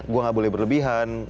gue gak boleh berlebihan